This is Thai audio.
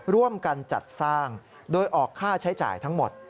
ร่วมกันจัดสร้างโดยออกค่าใช้จ่ายทั้งหมด